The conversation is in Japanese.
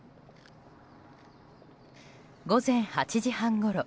午前８時半ごろ